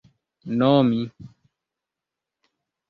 nomi